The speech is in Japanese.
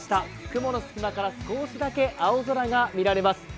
雲の隙間から少しだけ青空が見られます。